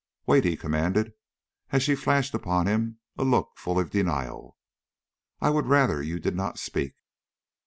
Wait!" he commanded, as she flashed upon him a look full of denial, "I would rather you did not speak.